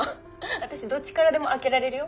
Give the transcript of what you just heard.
私どっちからでも開けられるよ